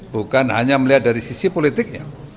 bukan hanya melihat dari sisi politiknya